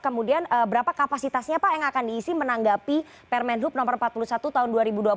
kemudian berapa kapasitasnya pak yang akan diisi menanggapi permen hub no empat puluh satu tahun dua ribu dua puluh